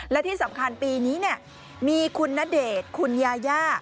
และที่สำคัญปีนี้มีคุณณเดชน์คุณยาย่า